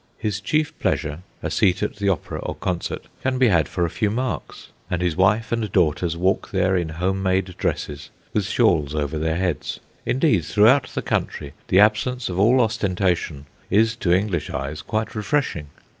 His chief pleasure, a seat at the opera or concert, can be had for a few marks; and his wife and daughters walk there in home made dresses, with shawls over their heads. Indeed, throughout the country the absence of all ostentation is to English eyes quite refreshing.